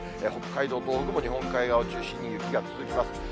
北海道、東北も日本海側を中心に雪が続きます。